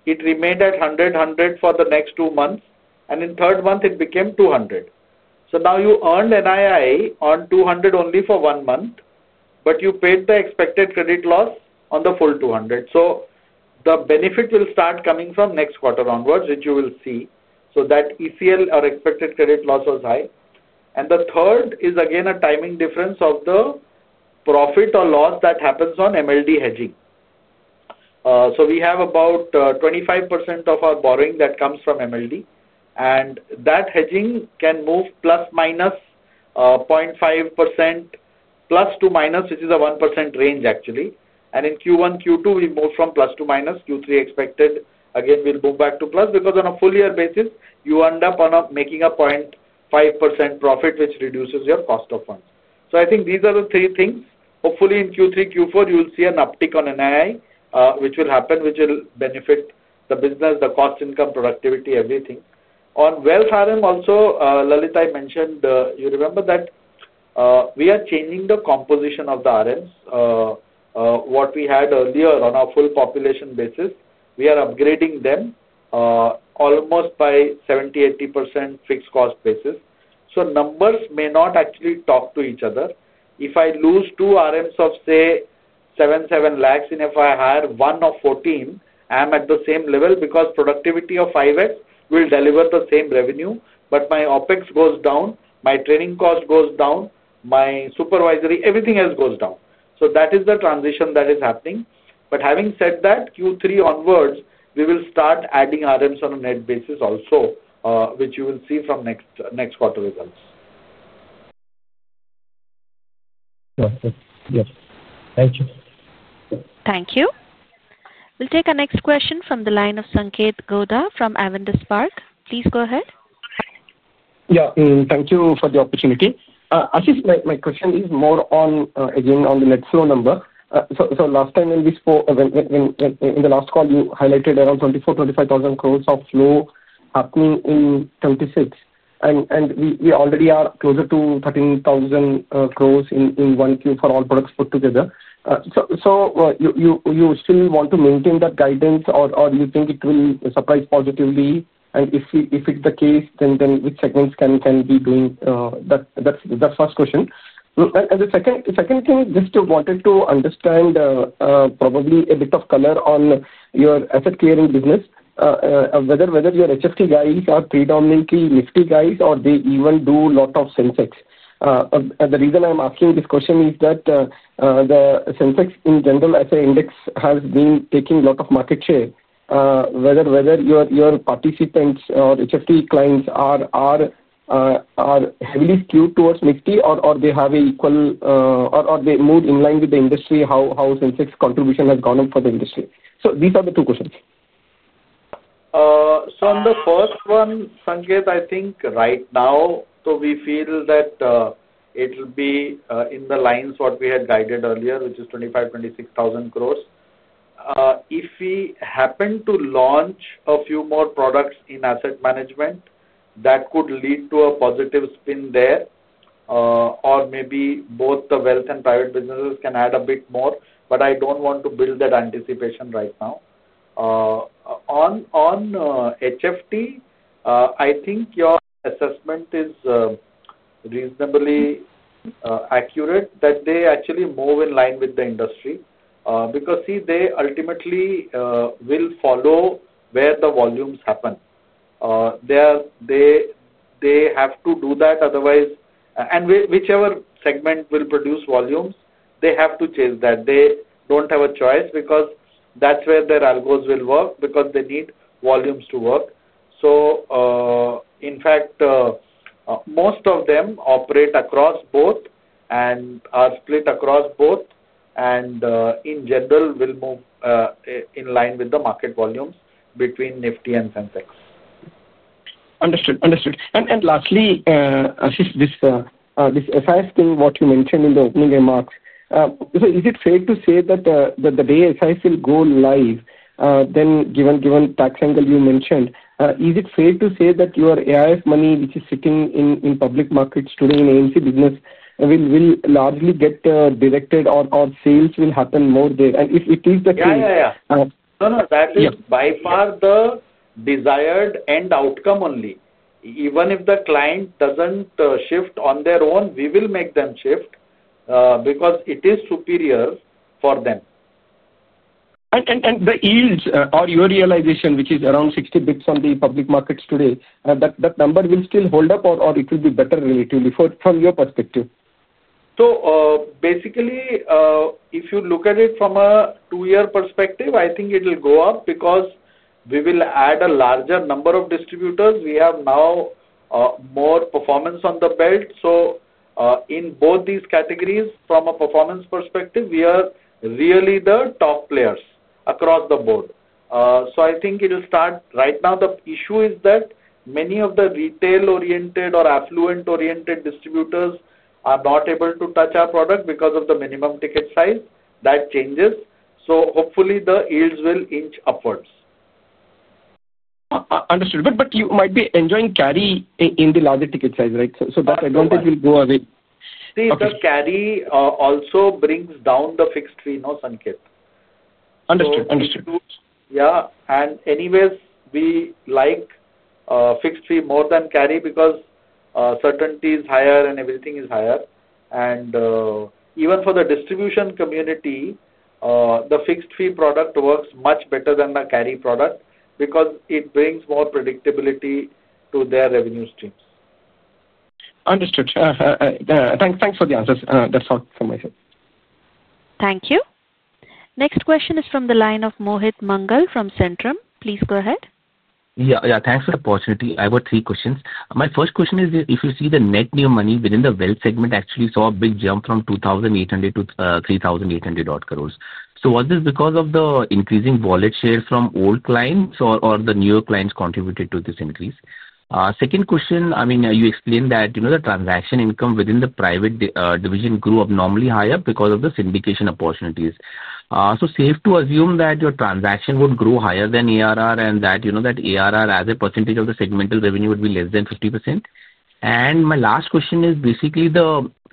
it remained at 100 crore for the next two months. In the third month, it became 200 crore. Now you earned NII on 200 crore only for one month, but you paid the expected credit loss on the full 200 crore. The benefit will start coming from next quarter onwards, which you will see. That ECL or expected credit loss was high. The third is again a timing difference of the profit or loss that happens on MLD hedging. We have about 25% of our borrowing that comes from MLD. That hedging can move ±0.5%. Plus to minus, which is a 1% range actually. In Q1, Q2, we move from plus to minus. Q3 expected, again, we'll move back to plus because on a full-year basis, you end up making a 0.5% profit, which reduces your cost of funds. These are the three things. Hopefully, in Q3, Q4, you will see an uptick on NII, which will happen, which will benefit the business, the cost, income, productivity, everything. On wealth RM also, Lalit, I mentioned, you remember that we are changing the composition of the RMs. What we had earlier on our full population basis, we are upgrading them. Almost by 70%-80% fixed cost basis. Numbers may not actually talk to each other. If I lose two RMs of, say, 700,000, and if I hire one of 1,400,000, I'm at the same level because productivity of 5X will deliver the same revenue. But my OpEx goes down, my training cost goes down, my supervisory, everything else goes down. That is the transition that is happening. Having said that, Q3 onwards, we will start adding RMs on a net basis also, which you will see from next quarter results. Yes. Thank you. Thank you. We'll take our next question from the line of Sanketh Godha from Avendus Spark. Please go ahead. Yeah. Thank you for the opportunity. Ashish, my question is more on, again, on the net flow number. Last time when we spoke, in the last call, you highlighted around 24,000 crore-25,000 crore of flow happening in 2026. We already are closer to 13,000 crore in Q1 for all products put together. You still want to maintain that guidance, or you think it will surprise positively? If it's the case, then which segments can be doing that? That's the first question. The second thing, just wanted to understand, probably a bit of color on your asset clearing business. Whether your HFT guys are predominantly Nifty guys, or they even do a lot of Sensex. The reason I'm asking this question is that the Sensex in general asset index has been taking a lot of market share. Whether your participants or HFT clients are heavily skewed towards Nifty, or they have an equal, or they move in line with the industry, how Sensex contribution has gone up for the industry. These are the two questions. On the first one, Sanketh, I think right now, we feel that it will be in the lines of what we had guided earlier, which is 25,000 crore-26,000 crore. If we happen to launch a few more products in asset management, that could lead to a positive spin there. Or maybe both the wealth and private businesses can add a bit more. I do not want to build that anticipation right now. On HFT, I think your assessment is reasonably accurate that they actually move in line with the industry. Because see, they ultimately will follow where the volumes happen. They have to do that, otherwise, and whichever segment will produce volumes, they have to chase that. They do not have a choice because that's where their algos will work because they need volumes to work. In fact, most of them operate across both and are split across both, and in general, will move in line with the market volumes between Nifty and Sensex. Understood. Understood. Lastly, Ashish, this SIF thing, what you mentioned in the opening remarks. Is it fair to say that the day SIF will go live, then given tax angle you mentioned, is it fair to say that your AIF money, which is sitting in public markets today in AMC business, will largely get directed or sales will happen more there? If it is the case. Yeah, yeah, yeah. No, no. That is by far the desired end outcome only. Even if the client doesn't shift on their own, we will make them shift because it is superior for them. And the yields or your realization, which is around 60 basis points on the public markets today, that number will still hold up or it will be better relatively from your perspective? So basically, if you look at it from a two-year perspective, I think it will go up because we will add a larger number of distributors. We have now. More performance on the belt. So. In both these categories, from a performance perspective, we are really the top players across the board. I think it will start right now. The issue is that many of the retail-oriented or affluent-oriented distributors are not able to touch our product because of the minimum ticket size. That changes. Hopefully, the yields will inch upwards. Understood. But you might be enjoying Cari in the larger ticket size, right? That advantage will go away. See, the Cari also brings down the fixed fee, no, Sanketh? Understood. Understood. Yeah. Anyways, we like fixed fee more than Cari because certainty is higher and everything is higher. Even for the distribution community, the fixed fee product works much better than the Cari product because it brings more predictability to their revenue streams. Understood. Thanks for the answers. That's all from my side. Thank you. Next question is from the line of Mohit Mangal from Centrum. Please go ahead. Yeah. Yeah. Thanks for the opportunity. I have three questions. My first question is, if you see the net new money within the wealth segment actually saw a big jump from 2,800 crore-3,800 crore. Was this because of the increasing wallet share from old clients or the newer clients contributed to this increase? Second question, I mean, you explained that the transaction income within the private division grew abnormally higher because of the syndication opportunities. Safe to assume that your transaction would grow higher than ARR and that ARR as a percentage of the segmental revenue would be less than 50%? My last question is basically,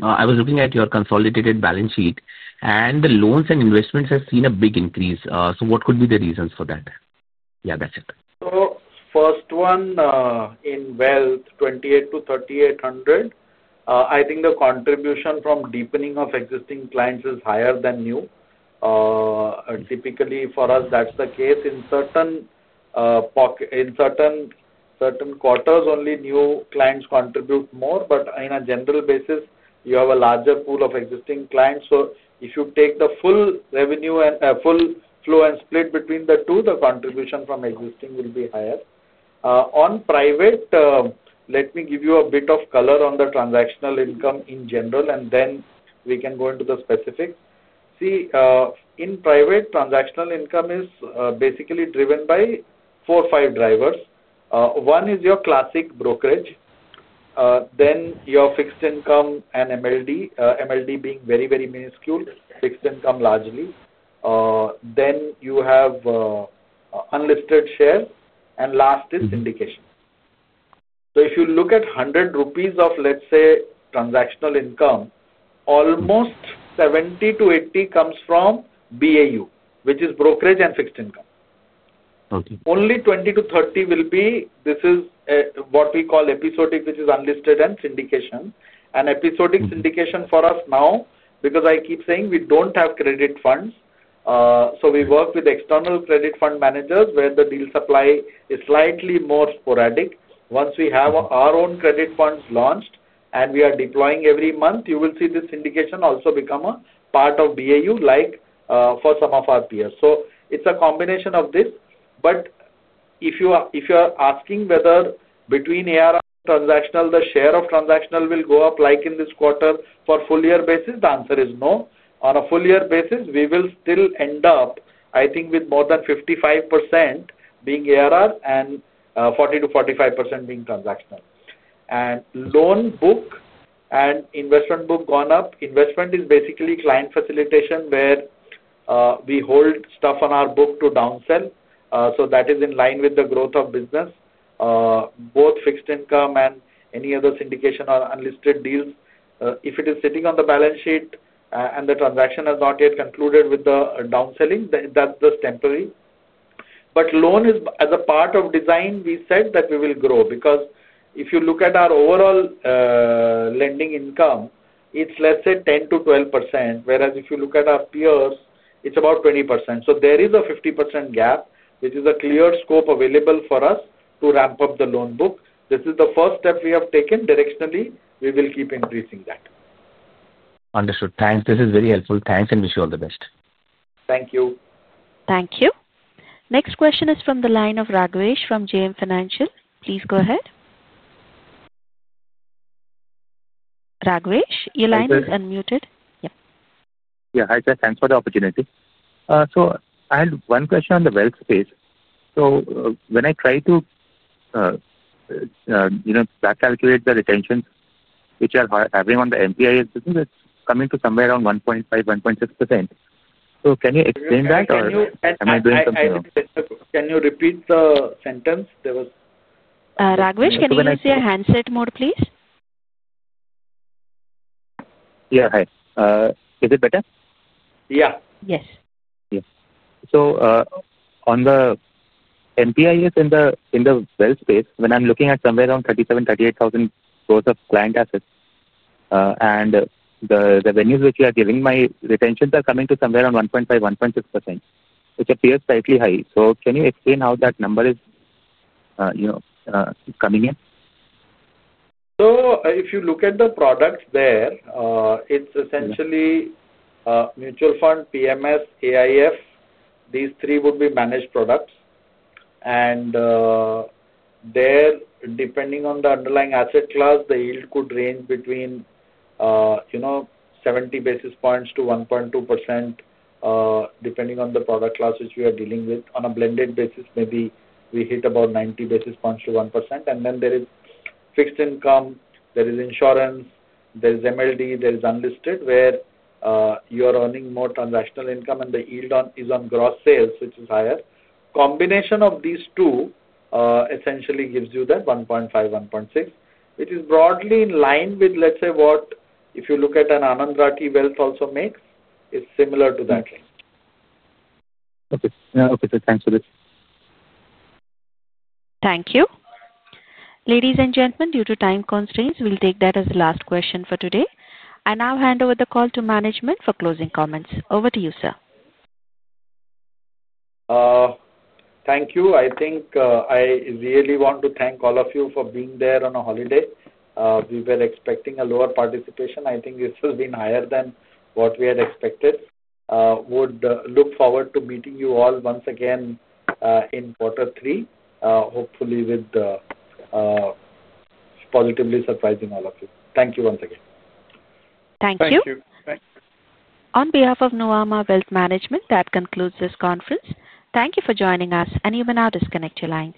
I was looking at your consolidated balance sheet, and the loans and investments have seen a big increase. What could be the reasons for that? Yeah, that's it. First one. In wealth, 2,800-3,800. I think the contribution from deepening of existing clients is higher than new. Typically, for us, that's the case. In certain quarters, only new clients contribute more. In a general basis, you have a larger pool of existing clients. If you take the full revenue and full flow and split between the two, the contribution from existing will be higher. On private, let me give you a bit of color on the transactional income in general, and then we can go into the specifics. See, in private, transactional income is basically driven by four or five drivers. One is your classic brokerage. Then your fixed income and MLD, MLD being very, very minuscule. Fixed income largely. Then you have unlisted shares. And last is syndication. If you look at 100 rupees of, let's say, transactional income, almost 70-80 comes from BAU, which is brokerage and fixed income. Only 20-30 will be this is what we call episodic, which is unlisted and syndication. Episodic syndication for us now, because I keep saying we don't have credit funds. We work with external credit fund managers where the deal supply is slightly more sporadic. Once we have our own credit funds launched and we are deploying every month, you will see the syndication also become a part of BAU like for some of our peers. It's a combination of this. If you are asking whether between ARR and transactional, the share of transactional will go up like in this quarter for a full-year basis, the answer is no. On a full-year basis, we will still end up, I think, with more than 55% being ARR and 40%-45% being transactional. Loan book and investment book gone up. Investment is basically client facilitation where we hold stuff on our book to downsell. That is in line with the growth of business. Both fixed income and any other syndication or unlisted deals, if it is sitting on the balance sheet and the transaction has not yet concluded with the downselling, that's just temporary. Loan, as a part of design, we said that we will grow. If you look at our overall lending income, it's, let's say, 10%-12%. Whereas if you look at our peers, it's about 20%. There is a 50% gap, which is a clear scope available for us to ramp up the loan book. This is the first step we have taken. Directionally, we will keep increasing that. Understood. Thanks. This is very helpful. Thanks, and wish you all the best. Thank you. Thank you. Next question is from the line of Raghvesh from JM Financial. Please go ahead. Raghvesh, your line is unmuted. Yeah. Yeah. Hi, sir. Thanks for the opportunity. I had one question on the wealth space. When I try to back calculate the retentions, which are having on the MPIS business, it's coming to somewhere around 1.5%-1.6%. Can you explain that, or am I doing something wrong? Can you repeat the sentence? There was. Raghvesh, can you please see your handset mode, please? Yeah. Hi. Is it better? Yeah. Yes. Yes. On the MPIS in the wealth space, when I'm looking at somewhere around 37,000-38,000 crore of client assets and the venues which we are giving, my retentions are coming to somewhere around 1.5%-1.6%, which appears slightly high. Can you explain how that number is coming in? If you look at the products there, it's essentially mutual fund, PMS, AIF. These three would be managed products. There, depending on the underlying asset class, the yield could range between 70 basis points to 1.2%. Depending on the product class which we are dealing with. On a blended basis, maybe we hit about 90 basis points to 1%. Then there is fixed income. There is insurance. There is MLD. There is unlisted, where you are earning more transactional income, and the yield is on gross sales, which is higher. Combination of these two essentially gives you that 1.5%, 1.6% which is broadly in line with, let's say, if you look at an Anand Rathi Wealth also makes, it's similar to that. Okay. Okay. Thanks for this. Thank you. Ladies and gentlemen, due to time constraints, we'll take that as the last question for today. I now hand over the call to management for closing comments. Over to you, sir. Thank you. I think I really want to thank all of you for being there on a holiday. We were expecting a lower participation. I think this has been higher than what we had expected. Would look forward to meeting you all once again in quarter three, hopefully with positively surprising all of you. Thank you once again. Thank you. Thank you. Thank you. On behalf of Nuvama Wealth Management, that concludes this conference. Thank you for joining us. And you may now disconnect your lines.